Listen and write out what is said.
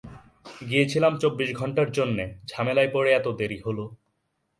গিয়েছিলাম চব্বিশ ঘণ্টার জন্যে, ঝামেলায় পড়ে এত দেরি হলো।